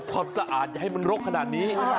ทำความสะอาดให้มันรกขนาดนี้